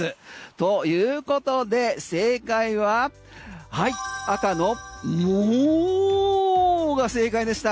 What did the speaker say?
ということで正解は赤のモが正解でした。